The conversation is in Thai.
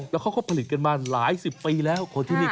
และเขาผลิตกันมาหลายสิบปีแล้ว